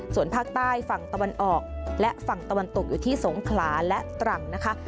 ส่วนภาคใต้ฝั่งตะวันออกและฝั่งตะวันตกอยู่ที่สงขลาและตรังนะคะ